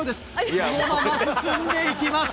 そのまま進んでいきます。